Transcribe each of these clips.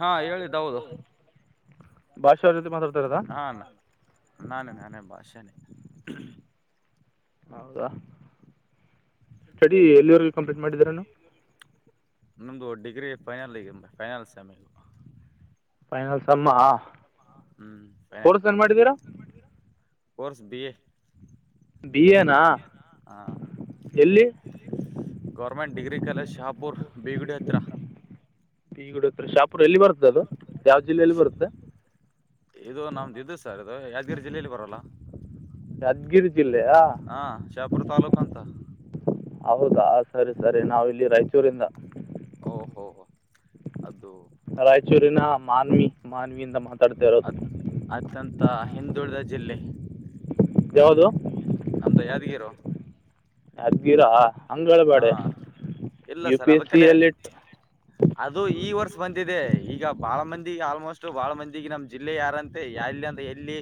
ಹಾ ಹೇಳಿ ದಾವೂದ್ ಭಾಷಾ ಅವ್ರ ಜೊತೆ ಮಾತಾಡ್ತಾ ಇರೋದಾ ಹಾ ಅಣ್ಣ ನಾನೇ ನಾನೇ ಬಾಷಾನೆ [inaudible] ಹೌದಾ ಸ್ಟಡಿ ಎಲ್ಲಿಯವರೆಗೆ ಕಂಪ್ಲೀಟ್ ಮಾಡಿದಿರಣ್ಣ ನಮ್ದು ಡಿಗ್ರಿ ಫೈನಲ್ ಈಗ ಫೈನಲ್ ಸೆಮ್ ಈಗ ಫೈನಲ್ ಸೆಮ್ ಆ ಹ್ಮ್ ಫೈನಲ್ ಕೋರ್ಸ್ ಏನ್ ಮಾಡಿದಿರಾ course B A B A ನಾ ಹ ಎಲ್ಲಿ ಗವರ್ಮೆಂಟ್ ಡಿಗ್ರಿ ಕಾಲೇಜ್ ಶಹಾಪುರ್ ಬಿಗಡಿ ಹತ್ರ [inaudible] ಎಲ್ಲಿ ಬರ್ತದೆ ಅದು ಯಾವ ಜಿಲ್ಲೆಯಲ್ಲಿ ಬರುತ್ತೆ ಇದು ನಮ್ಮದು ಇದು ಸರ್ ಇದು, ಯಾದಗಿರಿ ಜಿಲ್ಲೆಯಲ್ಲಿ ಬರಲ್ಲ ಯಾದಗಿರಿ ಜಿಲ್ಲೆಯಾ ಹಾ ಶಹಾಪುರ್ ತಾಲೂಕು ಅಂತ ಹೌದಾ ಸರಿ ಸರಿ ನಾವಿಲ್ಲಿ ರಾಯಚೂರಿಂದ ಓಹೋ ಅದು ರಾಯಚೂರಿನ ಮಾನ್ವಿ ಮಾನ್ವಿಯಿಂದ ಮಾತಾಡ್ತಾ ಇರೋದು ತ ಹಿಂದುಳಿದ ಜಿಲ್ಲೆ ನಮ ಯಾವುದು ನಮ್ದು ಯಾದ್ಗಿರೋ ಯಾದಗಿರಾ ಅಂಗೆಳ್ಬೇಡಿ ಇಲ್ಲ ಸರ್ ಅದಕ್ಕಲ್ಲೇ ಯುಪಿಸಿಎಲ್ ಇಟ್ ಅದು ಈ ವರ್ಷ ಬಂದಿದೆ. ಈಗ ಬಹಳ ಮಂದಿಗೆ ಆಲ್ಮೋಸ್ಟ್ ಬಹಳ ಮಂದಿಗೆ ನಮ್ಮ ಜಿಲ್ಲೆ ಯಾರಂತೆ, ಎಲ್ಲಿ ಅಂತ ಎಲ್ಲಿ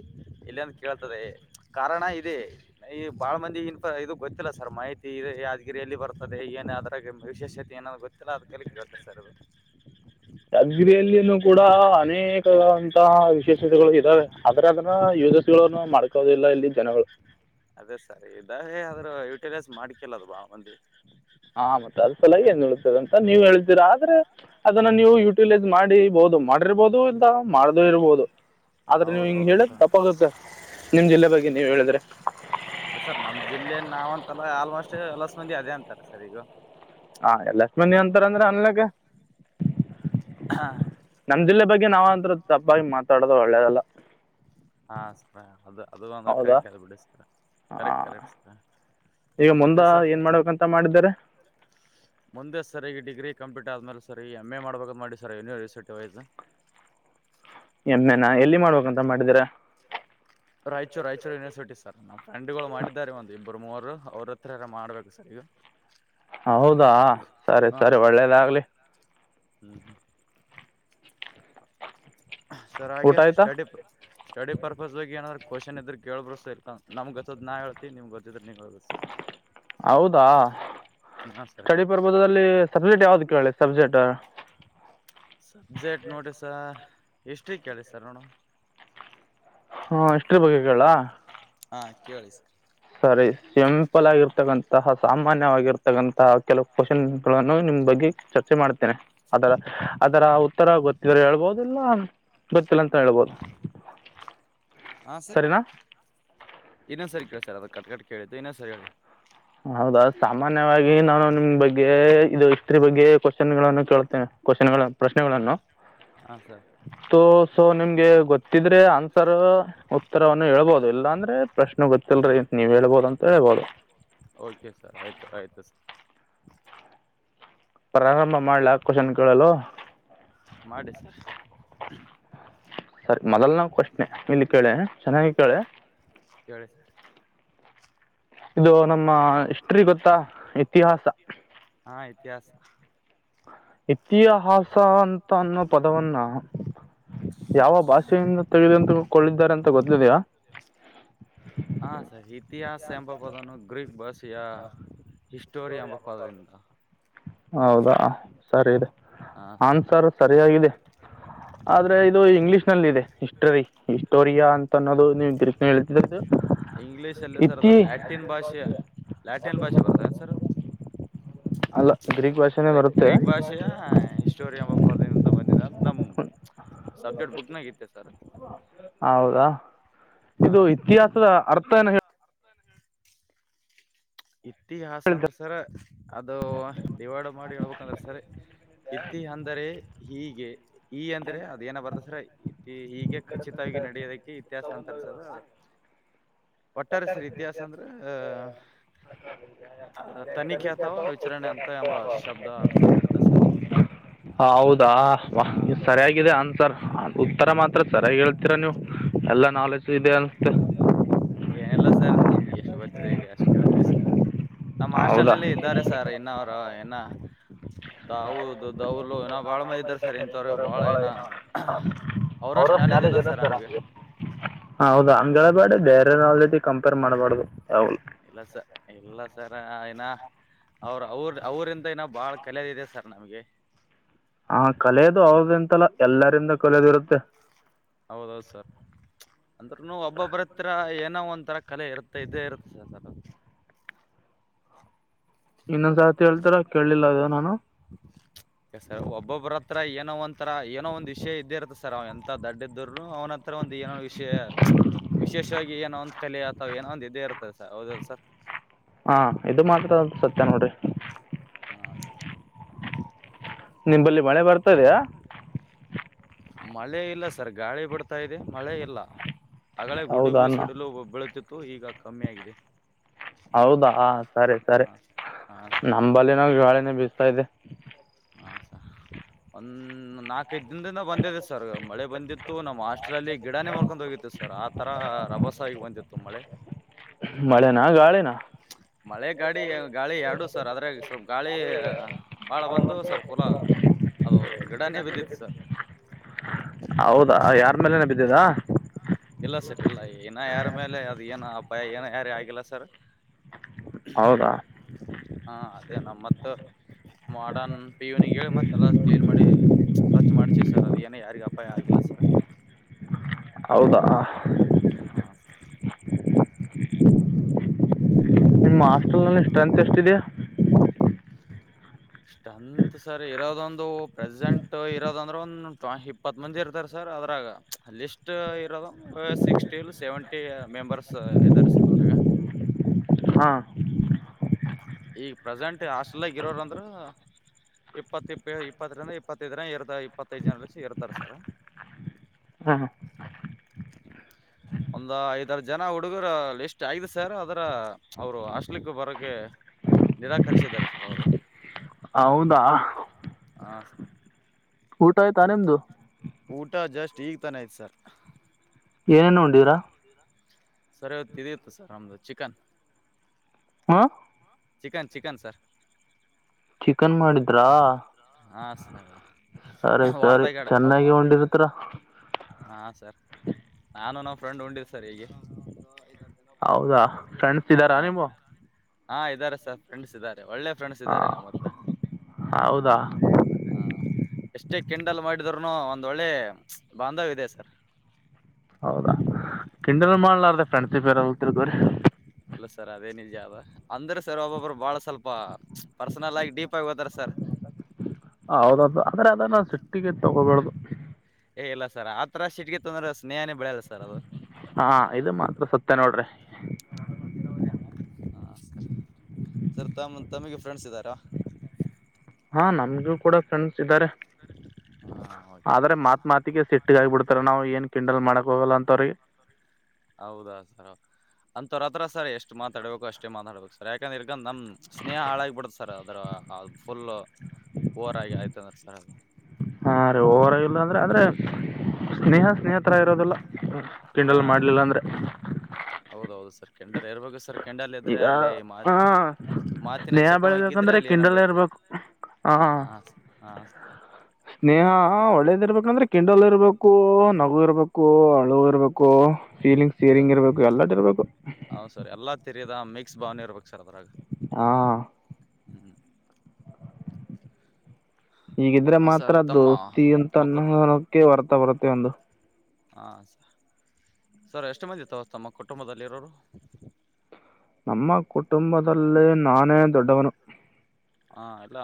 ಎಲ್ಲಿ ಅಂತ ಕೇಳ್ತದೆ. ಕಾರಣ ಇದೆ. ಈಗ್ ಬಹಳ ಮಂದಿಗೆ ಇದು ಗೊತ್ತಿಲ್ಲ ಸರ್ ಮಾಹಿತಿ ಇದು ಯಾದ ಗಿರಿ ಎಲ್ಲಿ ಬರುತ್ತದೆ, ಏನು ಅದರಾಗ ವಿಶೇಷತೆ ಏನೋ ಗೊತ್ತಿಲ್ಲ, ಅದಕ್ಕಲ್ಲೇ ಕೇಳ್ತಾರೆ ಸರ್ ಅದು ಯಾದಗಿರಿಯಲ್ಲಿನೂ ಕೂಡ ಅನೇಕವಾದಂತಹ ವಿಶೇಷತೆಗಳು ಇದಾವೆ. ಅದರ ಅದರ ಯೂಸಸ್ಗಳನ್ನು ಮಾಡ್ಕೋತಾ ಇಲ್ಲ ಇಲ್ಲಿ ಜನಗಳು ಅದೇ ಸರ್ ಇದಾವೆ ಆದರೆ ಯುಟಿಲೈಸ್ ಮಾಡ್ಕೊಳಲ್ವಾ ಮಂದಿ ಆ ಮತ್ತೆ ಅದ್ಸಲಾಗಿ ಹಂಗೆ ಉಳಿಯುತ್ತದೆ ಅಂತ ನೀವು ಹೇಳ್ತೀರಾ. ಆದರೆ ಅದನ್ನ ನೀವು ಯುಟಿಲೈಸ್ ಮಾಡಿ ಬಹುದು ಮಾಡಿರಬಹುದು ಇಲ್ಲ ಮಾಡದೇ ಇರಬಹುದು. ಆದರೆ ನೀವು ಹಿಂಗೆ ಹೌದೌದು ಹೇಳೋದು ಸರ್ ತಪ್ಪಾಗುತ್ತೆ, ನಿಮ್ ಜಿಲ್ಲೆ ಬಗ್ಗೆ ನೀವೇ ಹೇಳಿದ್ರೆ ಇಲ್ಲ ಸರ್ ನಮ್ಮ ಜಿಲ್ಲೆ ನಾವು ಅಂತ ಅಲ್ಲ, ಆಲ್ಮೋಸ್ಟ್ ಎಲ್ಲಾ ಮಂದಿ ಅದೇ ಅಂತಾರೆ ಸರ್ ಈಗ ಹಾ ಎಲ್ಲಾ ಮಂದಿ ಅಂತಾರೆ ಅಂದ್ರೆ ಅನ್ಲಿಗ ಹಾ [inaudible] ಜಿಲ್ಲೆ ಬಗ್ಗೆ ನಾವಂತ್ರೂ ತಪ್ಪಾಗಿ ಮಾತಾಡದು ಒಳ್ಳೇದಲ್ಲ ಹಾ ಸರ್ ಅದು ಅದು ಒಂದ ಹೌದಾ ಕರೆಕ್ಟ್ಬಡಿ ಸರ್ ಕರೆಕ್ಟ್ ಹಾಂ ಕರೆಕ್ಟ್ ಸ ಈಗ ಮತ್ತೆ ಮುಂದೆ ಸರ್ ಏನು ಮಾಡ್ಬೇಕಂತ ಮಾಡಿದ್ದೀರಿ ಮುಂದೆ ಸರ್ ಈ ಡಿಗ್ರಿ ಕಂಪ್ಯೂಟ್ರ್ ಆದ್ಮೇಲೆ ಸರ್ ಈ ಎಮ್ ಎ ಮಾಡ್ಬೇಕು ಮಾಡಿ ಸರ್ ಯನ್ ಯೂನಿವರ್ಸಿಟಿ ವೈಸ್ ಎಮ್ಮೆನಾ ಎಲ್ಲಿ ಮಾಡ್ಬೇಕಂತ ಮಾಡಿದೀರ ರಾಯಚೂ ರಾಯಚೂ ಯನಿವರ್ಸಟಿ ಸ ನಮವು ಂಡುಗಳು ಮಾಡಿದ್ದಾರೆ ಒಂದು ಒಬ್ಬರು ಮೂರು ಅವ್ರ ಹತ್ರ ಎಲ್ಲ ಮಾಡ್ಬೇಕು ಸರ್ ಈಗ ಹೌದಾ ಸರಿ ಸರಿ ಒಳ್ಳೇದಾಗ್ಲಿ ಹ್ಮ್ ಹ್ಮ ಸರ್ ಊಟ ಹಾಗೆ ಆಯಿತಾ ಸ್ಟಡಿ ಸ್ಟಡಿ ಪರ್ಪಸ್ಗ್ ಏನಾದ್ರು ಕ್ವಷನ್ ಇದ್ರ ಕೇಳ ಬ ನಮ್ ಗತ್ತದ ನಾ ಹೇಳ್ತಿ ನಿಮ ಗ ಹೌದಾ ಹಾ ಸರಿ ಸ್ಟಡಿ ಬರ್ಬೋದದಲ್ಲಿ ಸಬ್ಜೆಕ್ಟ್ ಯಾವ್ದ ಕೇಳಿ ಸಬ್ಜೆಕ್ಟ್ ಸಬ್ಜೆಕ್ಟ್ ನೋಡಿ್ರ ಸ ಎಷ್ಟ್ರಿ ಕೇಳಿ ಸರ್ ನೋಡ ಹಾ ಎಷ್ಟ್ರ ಬಗ್ಗೆ ಕೇಳ [inaudible] ಸರಿ ಸಿಂಪಲ್ ಆಗಿರ್ತಕ್ಕಂಥ ಸಹ ಸಾಮಾನ್ಯವಾಗಿರ್ತಕ್ಕಂತ ಕೆಲವು ಕ್ವಶನ್ ಗಳನ್ನು ನಿಮ್ ಬಗ್ಗೆ ಚರ್ಚೆ ಮಾಡ್ತೇನೆ ಅದರ ಅದರ ಉತ್ತರ ಗೊತ್ತಿದ್ರ ಹೇಳ್ಬೋುದಿಲ್ಲ ಗೊತ್ತಿಲ್ಲ ಅಂತ ಹೇಳ್ಬೋುದು ಸರಿನಾ ಇನ್ನೊ ಸರಿ ಕೇಳಿ ಸರ್ ಅದ ಕಟ್ ಕಟ್ ಕೇಳಿದ್ದು ಇನ್ನೊನ್ ಸರಿ ಹೇಳಿ ಹೌದ ಸಾಮಾನ್ಯ ನಾನು ನಿಮ್ ಬಗ್ಗೆ ಇದು ಇಸ್ತ್ರಿ ಬಗ್ಗೆ ಕ್ವ ಕನ್ ಗಳನ್ನು ಕೇಳುತ್ತೇನೆ ಕ್ವಶನ್ ಗಳ ಪ್ರಶ್ನೆಗಳನ್ನು ಹಾ ಸರ್ ಸೋ ಸೊ ನಿಮ್ಗೆ ಗೊತ್ತಿದ್ರೆ ಆನ್ಸರ್ ಉತ್ತರವನ್ನು ಹೇಳ್ಬೋದು ಇಲ್ಲ ಅಂದ್ರೆ ಪ್ರಶ್ನೆ ಗೊತ್ತಿಲ್ರಿ ನೀವ್ ಹೇಳ್ಬೋದು ಅಂತ ಹೇಳ್ಬೋದು ಓಕೆ ಸರ್ ಆಯ್ತು ಆಯ್ತು ಸರ್ ಪ್ರಮ್ಮ ಮಾಡ್ಲ ಅಕೋಷನ್ ಕೇಳಲ್ಲ ಮಾಡಿ ಸರ್ ಸರಿ ಮೊದಲ್ನ ಪ್ರಶ್ನೆ ನಿಲ್ಲಿ ಕೇಳೆ ಚೆನ್ನಾಗಿ ಕೇಳೆ ಕೇಳಿ ಸರ್ ಇದು ನಮ್ಮ ಹಿಸ್ಟ್ರಿ ಗೊತ್ತ ಇತಿಹಾಸ ಹಾ ಇತಿಹಾಸ ಎ [inaudible] ಇತಿಹಾಸ ಅಂತ ಅನ್ನೋ ಪದವನ್ನ ಯಾವ ಭಾಷೆಯನ್ನ ತಿಳಿದಂತ ಕೊಳ್ಳಿದ್ದಾರೆ ಅಂತ ಗೊತ್ತಲಿದೆಯಾ ಹಾ ಸರ್ ಯಾ ಹೌದಾ ಸರಿ ಇದೆ ಹ ಆನ್ಸರ್ ಸರಿಯಾಗಿದೆ ಆದ್ರೆ ಇದು ಇಂಗ್ಲಿಷ್ ನಲ್ಲಿ ಇದೆ ಹಿಸ್ಟರಿ ತೋರಿಯನ್ ಇಂಗ್ಲಿೀಷ್ ಅಲ್ಲಿ ಸರ್ ಇತಿ ಅದು ಲ್ಯಾಟಿನ್ ಭಾಷೆ ಲ್ಯಾಟಿನ್ ಭಾಷೆ ಬರ್ತ ಸರ್ ಅಲ್ಲ ಗ್ರೀಕ್ ಭಾಷೆನೇ ಬರುತ್ತೆ ಗ್ರೀಕ್ ಭಾಷೆಯ ಹಿಸ್ಟೋರಿ ಎಂಬ ಪದದಿಂದ ಏನ್ ದಬಕ್ತ ಇದ್ದೀರಾ ನಮ್ ಸಬ್ಜೆಕ್ಟ್ ಬುಕ್ ನಗ್ ಐತೆ ಸರ್ ಹೌದಾ ಹ ಇದು ಇತಿಹಾಸದ ಅರ್ಥ ಏನು ಹೇಳು ಇತಿಹಾಸ ಅಂದ್ರೆ ಸರ್ ಅದು ಡಿವೈಡ್ ಮಾಡಿ ಹೇಳಬೇಕಾದರೆ ಸರಿ ಇತಿ ಅಂದರೆ ಹೀಗೆ ಈ ಅಂದ್ರೆ ಅದೇನೋ ಬರ್ತಡೆ ಸರ್ ಹೀಗೆ ಖಚಿತವಾಗಿ ನಡೆಯುವುದನ್ನು ಇತಿಹಾಸ ಅಂತರೆ ಸರ್ [inaudible] ಒಟ್ಟಾರೆ ಸರ್ ಇತಿಹಾಸ ಅಂದರೆ ತನಿಕೆ ಅಥವಾ ವಿಚಾರಣೆ ಎಂಬ ಶಬ್ದ ಅರ್ಥ ನೀಡುತ್ತೆ ಸರ್ ಹೌದಾ ವಾ ಹ ಸರಿಯಾಗಿದೆ ಆನ್ಸರ್ ಸರಿಯಾಗಿ ಹೇಳ್ತೀರಾ ನೀವು ಎಲ್ಲ ನಾಲೆಡ್ಜ್ ಇದೆ ಅನ್ಸುತ್ತೆ ಏನಿಲ್ಲ ಸರ್ ನಮಗೆ ಎಷ್ಟು ಬರ್ತೈತೇ ಅಷ್ಟು ಹೇಳ್ತೀವಿ ಸರ್ ನಮ್ಮ ಹೌದಾ ಹಾಸ್ಟಲಲ್ಲಿ ಇದ್ದಾರೆ ಸರ್, ಹ ಇನ್ನು ಅವರು [inaudible] ಹೌದು ಅವರು ಬಹಳ ಮಂದಿ ಇದರ ಸರ್ ಇಂಥವ್ರು ಇಂಥವರು ಬಾಳ ಬಹಳ ಏನ ಇನ್ನ ಅವ್ರಷ್ಟು ಅವರಷ್ಟು ನಾಲೆಜ್ ನಾಲೆಡ್ಜ್ ಇಲ್ಲ ಸರ್ ನಮ್ಗೆ ಸರಿಯಾಗಿ ಹೇಳ್ತೀರಾ ನೀವು ಎಲ್ಲ ನಾಲೆಡ್ಜ್ ಇದೆ ಅನ್ಸುತ್ತೆ ಹೌದಾ [unintelligible] [unintelligible] ಕಂಪೇರ್ ಮಾಡಬಾರದು ಹೌದು ನಾ ಅವರು ಅವರಿಂದ ಬಹಳ ಕಳೆಯೋದಿದೆ ಸರ್ ನಮಗೆ ಹಾ ಕಲಿಯುವುದು ಇರುತ್ತೆ ಹೌದು ಹೌದು ಸರ್ ಒಬ್ಬರತ್ರ ಏನೇ ಒಂತರ ಕಲೆ ಇರುತ್ತೆ ಇದ್ದೇ ಇರುತ್ತೆ ಸರ್ [unintelligible] ಕೇಳ್ತಾರಾ ಅಂತ ನಾ ಕೇಳಿಲ್ಲ ಸರ್ ನಾನು ಒಬ್ಬರತ್ರ ಏನೋ ಒಂಥರಾ ಏನೋ ಒಂದು ವಿಷಯ ಇದ್ದೇ ಇರುತ್ತೆ ಸರ್ [unintelligible] ಏನೋ ಒಂದು ಕಲೆ ಅಥವಾ ಏನೋ ಒಂದು ಇದ್ದೇ ಇರುತ್ತೆ ಸರ್ ಹಾ ಇದು ಮಾತ್ರ ಅ ಸತ್ಯ ನೋಡ್ರಿ ಹಾ ನಿಂಬಲ್ಲಿ ಮಳೆ ಬರ್ತದೆಯ ಮಳೆ ಇಲ್ಲ ಸರ್ ಗಾಳಿ ಬಿಡ್ತಾ ಇದೆ ಮಳೆ ಇಲ್ಲ ಅಗಗಳೇ ಹೌದಾ ಗುಡುಗು ಅನ್ನ ಸಿಡಲು ಬೀಳುತ್ತಿತ್ತು ಈಗ ಕಮ್ಮಿಯಾಗಿದೆ ಹೌದಾ ಸರಿ ಸರಿ ನಮ್ ಬಲ್ಲೆನು ಗಾಳಿ ಬೀಸ್ತಾ ಇದೆ ನಾಲ್ಕು ಐದು ದಿನದಿಂದ ಬಂದಿದೆ ಸರ ಮಳೆ ಬಂದಿತ್ತು ನಮ್ ಹಾಸ್ಟೆಲಲ್ಲಿ ಗಿಡನೆ ಮುರ್ಕೊಂಡ್ ಹೋಗಿದೆ ಆತರ ರಭಸಕ್ಕೆಸರ್ ಬಂದಿತ್ತು ಮಳೆ ಮಳೆನಾ ಗಾಳಿನಾ ಮಳೆಗಾಡಿ ಗಾಳಿ ಎರಡೂ ಸರ್ ಅದ್ರಾಗ ಗಾಳಿ ಬಾಳ ಬಂದು ಸ್ವಲ್ಪ ಕುಲ ಅದು ಗಿಡನೇ ಬಿದ್ದಿತ್ತು ಸರ ಹೌದಾ ಯಾರ ಮೇಲೆನ ಬಿದ್ದಿದಾ ಅದು ಯಾರ ಮೇಲೆ ಏನು ಅಪಾಯ ಆಗಿಲ್ಲ ಸರ್ ಹೌದಾ ಹಾ ಅದು ಮತ್ತು ವಾರ್ಡನ್ ಪ್ಯೂನಗಿ ಹೇಳಿ ಎಲ್ಲಾ ಕ್ಲೀನ್ ಮಾಡಿಸಿದ್ದು ಸ್ವಚ್ಛ ಮಾಡ್ಸಿ ಅದೇನ್ ಯಾರಿಗೇನು ಅಪಾಯ ಆಗಲು ಸರ್ ಹೌದಾ ಹಾ ನಿಮ್ಮ ಹಾಸ್ಟೆಲ್ ನಲ್ಲಿ ಸ್ಟ್ರೆಂತ್ ಎಷ್ಟಿದೆ ಸ್ಟ್ರೆಂತ ಸರ್ ಇರೋದ್ ಅಂದ್ರೆ ಪ್ರೆಸೆಂಟ್ ಒಂದು ಇಪ್ಪತ್ತು ಮಂದಿ ಇರ್ತಾರೆ ಸರ್ ಅದರಾಗ ಲಿಸ್ಟ್ ಇರೋದು ಅರವತ್ತು ರಿಂದ ಎಪ್ಪತ್ತು ಮೆಂಬರ್ಸ್ ಇದ್ದಾರೆ ಸರ್ ಹ್ಮ್ ಈಗ್ ಪ್ರೆಸೆಂಟ್ ಹಾಸ್ಟೆಲ್ ನಲ್ಲಿ ಇರೋದು ಅಂದ್ರೆ ಇಪ್ಪತ್ತು ರಿಂದ ಇಪ್ಪತ್ತುಐದು ಜನ ಇರ್ತಾರೆ ಹಾ ಒಂದು ಐದು ಆರು ಜನ ಲಿಸ್ಟ್ ಆಗಿದೆ ಸರ್ ಅವರು ಹಾಸ್ಟೆಲಿಗೆ ಬರಕ್ಕೆ ನಿರಾಕರಿಸಿದ್ದಾರೆ ಸರ್ ಹೌದಾ ಹ ಊಟ ಆಯ್ತಾ ನಿಮ್ದು ಈಗ್ ತಾನೆ ಆಯ್ತು ಸರ್ ಏನ್ ಉಂಡಿರಾ ಸರ್ ಇವತ್ತು ಇದು ಚಿಕನ್ ಇತ್ರೀ ಹಾ ಚಿಕನ್ ಚಿಕನ್ ಸರ್ ಚಿಕನ್ ಮಾಡಿದ್ರಾ ಹಾ ಸರ್ ಸರೆ ಸರೆ ವಾರದಾಗಡ ಚೆನ್ನಾಗಿ ಉಂಡ್ ಇರುತ್ತೀರಾ ಹಾ ಸರ್ ನಾನು ನಮ್ ಫ್ರೆಂಡು ಉಂಡೆ ಹೌದಾ ಫ್ರೆಂಡ್ಸ್ ಇದ್ದಾರಾ ಹಾ ಇದರ ಸರ್ ಫ್ರೆಂಡ್ಸ್ ಇದ್ದಾರೆ ಒಳ್ಳೆ ಫ್ರೆಂಡ್ಸ್ ಹಾ ಇದ್ದಾರೆ ನಮ್ಮತ್ರ ಹೌದಾ ಎಷ್ಟೇ ಕಿಂಡಲ್ ಮಾಡಿದರೂ ಒಂದು ಬಾಂಧವ ಇದೆ ಸರ್ ಹೌದಾ ಕಿಂಡಲ್ ಮಾಡಲಾರದಂತ ಫ್ರೆಂಡ್ಸ್ ಇದ್ದಾರೆ ಇಲ್ಲ ಸಾರ್ ಅದೇ ನಿಜಹಾದ ಅಂದ್ರೆ ಸರ್ ಒಬ್ಬರು ಸ್ವಲ್ಪ ಪರ್ಸನಲ್ ಆಗಿ ಡೀಪಾಗಿ ಹೋಗ್ತಾರೆ ಆದಪ್ಪ ಅಂದರು ನಾವು ಸಿಟ್ಟಿಗೆ ತಗೋಬಾರದು ಇಲ್ಲ ಸರ್ ಆತರ ಸಿಟ್ಟಿಗೆ ತೊಗೊಂಡ್ರೆ ಸ್ನೇಹ ಆ ಇದು ಮಾತ್ರ ಸತ್ಯ ನೋಡ್ರಿ ಹಾ ಸರ್ ತಮಗೆ ಫ್ರೆಂಡ್ಸ್ ಇದಾರ ಆ ನಮಗೂ ಕೂಡ ಫ್ರೆಂಡ್ಸ್ ಇದಾರೆ ಹಾ ಆದರೆ ಓಕೆ ಮಾತ್ ಸರ್ ಮಾತಿಗೂ ಸಿಟ್ಟಿಗ್ ಆಗ್ಬಿಡ್ತಾರೆ ನಾವು ಏನು ಕಿಂಡಲ್ ಮಾಡಕ್ ಹೋಗಲ್ಲ ಅಂತವರಿಗೆ ಹೌದಾ ಸರ್ ಅಂತೋರ್ ಹತ್ರ ಎಷ್ಟು ಮಾತಾಡಬೇಕು ಅಷ್ಟೇ ಮಾತಾಡಬೇಕು ಯಾಕಂದ್ರೆ ಸರ್ ನಮ್ಮ ಸ್ನೇಹ ಹಾಳಾಗುತ್ತೆ ಇಲ್ಲಾ ಅಂದ್ರೆ ಫುಲ್ ಓವರ್ ಆಗೈತಂದ್ರೆ [unintelligible] ಹಾ ರಿ ಆದ್ರೆ ಸ್ನೇಹ ಸ್ನೇಹ ತರ ಆಗಿರಲ್ಲ ಹಾ ಕಿಂಡಲ್ ಮಾಡ್ಲಿಲ್ಲ ಅಂದ್ರೆ ಕಿಂಡಲ್ ಇರ್ಬೇಕು ಸರ್ ಕೆಂಡಲ್ ಇದ್ರೆ ಈಗ ಅಲ್ಲಿ ಆ ಮಾತ್ ಮಾತಿನ ಸ್ನೇಹ ಬೆಳಿ ಚಕಮಕಿ ಇದ್ರೆ ಬೇಕಂದ್ರೆ ಅಲ್ಲಿ ಏನೋ ಕಿಂಡಲ್ ಬೆಳಿತದೆ ಇರಬೇಕು ಆ ಹಾ ಸ್ನೇಹ ಒಳ್ಳೆದಿರಬೇಕು ಕಿಂಡಲ್ ಇರಬೇಕು ಓ ನಗು ಇರಬೇಕು ಅಳು ಇರಬೇಕು [unintelligible] ಫೀಲಿಂಗ್ ಫೀಲಿಂಗ್ಸ್ ಇರಬೇಕು ಹಾ ಎಲ್ಲಾನೂ ಇರಬೇಕು ಹೌದ್ ಸರ್ ಎಲ್ಲಾ ತಿರಿಯದ ಮಿಕ್ಸ್ ಭಾವನೆ ಇರಬೇಕು ಸರ್ ಅದರಾಗ ಆ [inaudible] ಹೀಗಿದ್ದರೆ ಹ ಸರ್ ಮಾತ್ರ ತಮ್ಮ ತಮ್ಮ ಕೊಟ್ ದೋಸ್ತಿಗೆ ಅರ್ಥಬರುತ್ತದೆ ಸರ್ ಎಷ್ಟು ಮಂದಿ ತಾವು ತಮ್ಮ ಕುಟುಂಬದಲ್ಲಿ ಇರೋದು ನಮ್ಮ ಕುಟುಂಬದಲ್ಲಿ ನಾನೇ ದೊಡ್ಡವನು ಹಾ ಇಲ್ಲ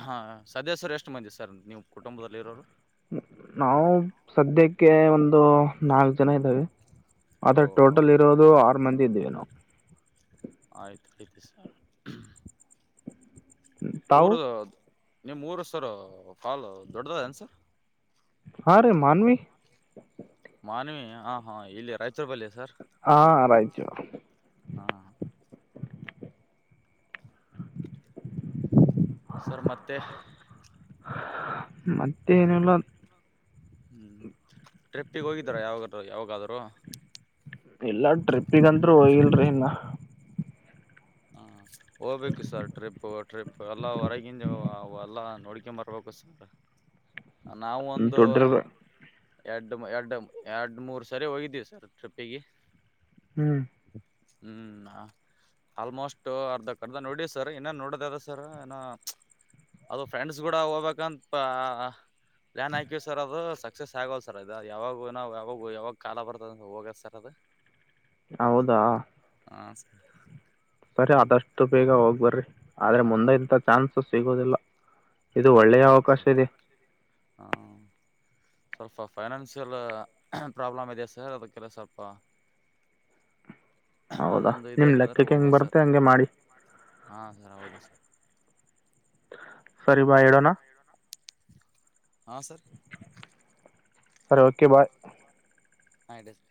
ಅಹ ಸದಸ್ಯರು ಎಷ್ಟು ಮಂದಿ ಸರ್ ನೀವು ಕುಟುಂಬದಲ್ಲಿ ಇರುವವರು ನಾವು ಸದ್ಯಕ್ಕೆ ಕೆ ಒಂದು ನಾಲ್ಕು ಜನ ಇದ್ದೇವೆ ಆದರೆ ಓಹ ಟೋಟಲ್ ಹೌದು ಇರೋದು ಆರು ಮಂದಿ ಇದೀವಿ ನಾವು [unintelligible] ತಾವು ಊರು ಯಾವುದು ನಿಮ್ಮ ಊರು ಸರ್ ಬಹಳ ದೊಡ್ಡದನ್ ಸರ್ ಹಾ ರೀ ಮಾನ್ವಿ ಮಾನ್ವಿ ಹಾಹಾ ಇಲ್ಲಿ ರಾಯಚೂರು ಬಲ್ಲಿ ಸರ್ ಆ ರೈಟ್ ಆ ಸರ್ ಮತ್ತೆ [unintelligible] ಟ್ರಿಪ್ಪಿಗೆ ಹೋಗಿದ್ದರ ಯಾವಾಗಾದ್ರೂ [unintelligible] ಇಲ್ಲಾ ಟ್ರಿಪ್ಪಿಗಂತೂ ಹೋಗಿಲ್ಲ ರಿ ನಾ ಹೋಗಬೇಕು ಸರ್ ಟ್ರಿಪ್ ಎಲ್ಲಾ ಹೊರಗಿಂದೆಲ್ಲ ನೋಡಿಕೊಂಡು ಬರಬೇಕು ನಾವು ಒಂದು ದುಡ್ಡಿರ ಎರಡು ಎರಡು ಮೂರು ಸಲ ಹೋಗಿದ್ವಿ ಟ್ರಿಪ್ಪಿಗೆ ಸರ ಹೂ ಆಲ್ಮೋಸ್ಟ್ ಅರ್ಧಕರ್ಧ ನೋಡಿ ಸರ್ ನಿನ್ನ ನೋಡಿದರೆ ಸರ್ ಅದು ಫ್ರೆಂಡ್ಸ್ ಕೂಡ ಹೋಗಬೇಕಂತ ಪ್ಲಾನ್ ಹಾಕಿ ಸರ್ ಅದು ಸಕ್ಸಸ್ ಆಗವಲ್ದು ಯಾವಾಗ್ ಕಾಲ ಬರ್ತದೆ ಅಂತ ಹೋದ್ಬೆಕೆ ಸರ್ ಅದು ಹೌದಾ ಹಾ ಸರ್ ಸರಿ ಆದಷ್ಟು ಬೇಗ ಹೋಗಿ ಬರ್ರಿ ಆದರೆ ಹಾ ಮುಂದೆ ಇಂಥ ಚಾನ್ಸ್ ಸಿಗೋದಿಲ್ಲ ಇದು ಒಳ್ಳೆಯ ಹೌದು ಅವಕಾಶ ಸರ್ ಇದೆ ಸ್ವಲ್ಪ ಫೈನಾನ್ಸಿಯಲ್ ಪ್ರಾಬ್ಲಮ್ ಇದೆ ಸರ್ ಅದಕ್ಕೆ ಹೌದಾ ಅದೊಂದು ನಿಮ್ಮ ಇದೈತ್ ಅಂದ್ರೆ ಲೆಕ್ಕಕ್ಕೆ ಹೆಂಗೆ ಹೋಗ್ಬೇಕು ಸರ್ ಬರುತ್ತೆ ಹಂಗೆ ಮಾಡಿ ಸರಿ ಬಾಯ್, ಇಡೋಣ ಹಾ ಸರ್ ಸರಿ ಓಕೆ ಬಾಯ್ ಇಡೀ ಸರ್